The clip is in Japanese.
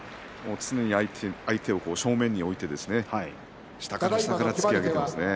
常に相手を正面に置いて下から下から突き上げていますね。